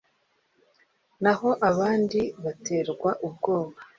Naho abandi baterwa ubwoba